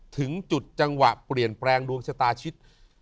ถึงจุดจังหวะเปลี่ยนแปลงดวงชะตาชิด